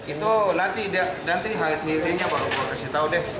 itu nanti nanti hal hal sendiri nya baru gue kasih tau deh